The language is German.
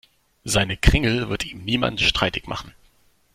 Seine Kringel wird ihm niemand streitig machen.